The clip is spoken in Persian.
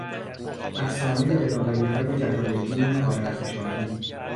افسانهی دلاوریهای جلالالدین خوارزمشاهی